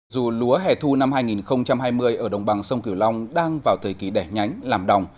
dù lúa hẻ thu năm hai nghìn hai mươi ở đồng bằng sông kiều long đang vào thời kỳ đẻ nhánh làm đồng